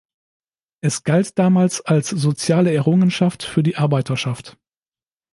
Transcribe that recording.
Es galt damals als soziale Errungenschaft für die Arbeiterschaft.